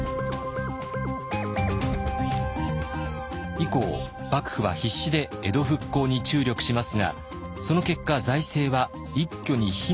以降幕府は必死で江戸復興に注力しますがその結果財政は一挙に火の車に。